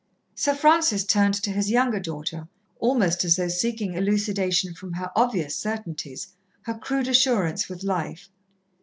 Sir Francis turned to his younger daughter, almost as though seeking elucidation from her obvious certainties her crude assurance with life.